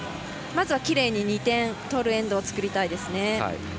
まずはきれいに２点取るエンドを作りたいですね。